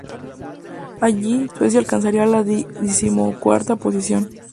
Allí, Suecia alcanzaría la decimocuarta posición.